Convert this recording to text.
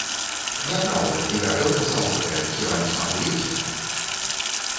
Не праўда, і гарэлка салодкая, хіба не смакуеце?